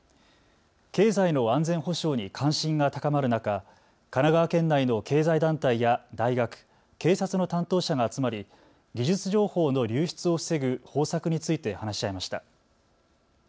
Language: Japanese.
経済の安全保障に関心が高まる中、神奈川県内の経済団体や大学、警察の担当者が集まり技術情報の流出を防ぐ方策について話し合いました。